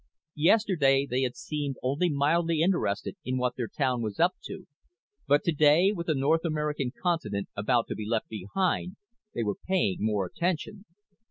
Yesterday they had seemed only mildly interested in what their town was up to but today, with the North American continent about to be left behind, they were paying more attention.